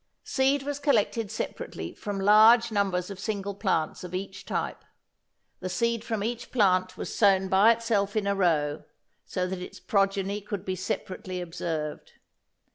Seed was collected separately from large numbers of single plants of each type. The seed from each plant was sown by itself in a row, so that its progeny could be separately observed.